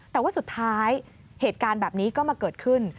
แต่ว่าสุดท้ายเหตุการณ์แบบนี้ก็มาเกิดขึ้น